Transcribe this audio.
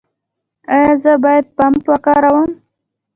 ایا زه باید پمپ وکاروم؟